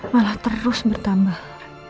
malah terus bertambah